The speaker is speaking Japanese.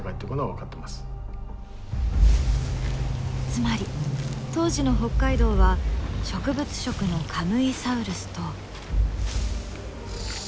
つまり当時の北海道は植物食のカムイサウルスと。